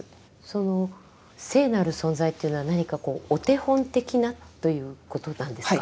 その聖なる存在というのは何かこうお手本的なということなんですか？